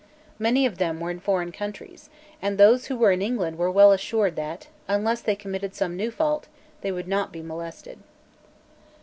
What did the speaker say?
Many of them were in foreign countries; and those who were in England were well assured that, unless they committed some new fault, they would not be molested.